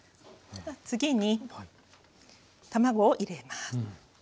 次に卵を入れます。